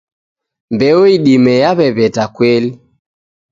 Mbeo idime yaw'ew'eta kweli